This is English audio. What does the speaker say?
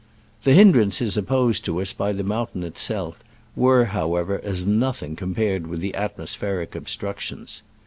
The hindrances opposed to us by the mountain itself were, however, as noth ing compared with the atmospheric ob structions.